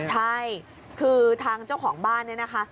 ใช่คือทางเจ้าของบ้านเนี่ยนะคะ